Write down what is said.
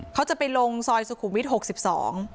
เขาจะไปลงสอยสุขูมวิทกิโล๖๒